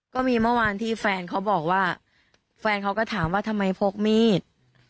ก็มีเมื่อวานที่แฟนเขาบอกว่าแฟนเขาก็ถามว่าทำไมพกมีด